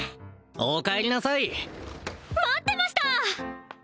おかえりなさい待ってました